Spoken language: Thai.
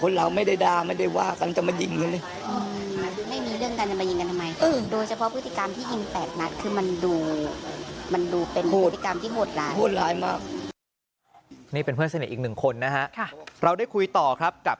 นี่เป็นเพื่อนสนิทอีกหนึ่งคนนะฮะเราได้คุยต่อครับกับ